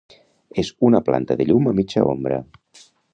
És una planta de llum a mitja ombra.